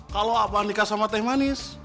kalau abang nikah sama teh manis